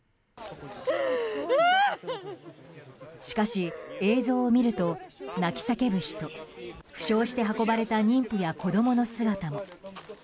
しかし、映像を見ると泣き叫ぶ人負傷して運ばれた妊婦や子供の姿も。